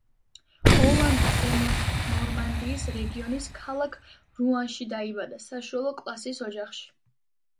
ოლანდი ზემო ნორმანდიის რეგიონის ქალაქ რუანში დაიბადა, საშუალო კლასის ოჯახში.